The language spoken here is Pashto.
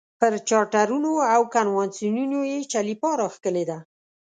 پر چارټرونو او کنونسینونو یې چلیپا راښکلې ده.